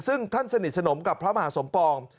ซึ่งท่านสนิทสนมกับพระมหาสมปอง